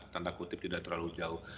tanda kutip tidak terlalu jauh